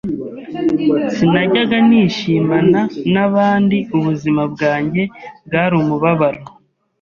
sinajyaga nishimana n’abandi, ubuzima bwanjye bwari umubabaro